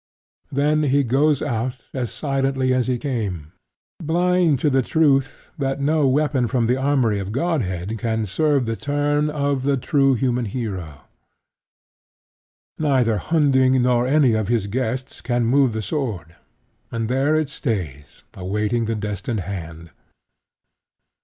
Then he goes out as silently as he came, blind to the truth that no weapon from the armory of Godhead can serve the turn of the true Human Hero. Neither Hunding nor any of his guests can move the sword; and there it stays awaiting the destined hand.